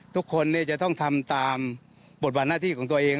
ทุกคนจะต้องทำตามบทบาทหน้าที่ของตัวเอง